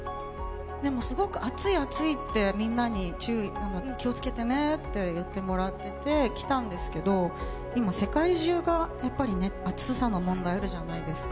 でもすごく暑い、暑いってみんなに注意、気をつけてねっていわれて来たんですけど、今、世界中が暑さの問題あるじゃないですか。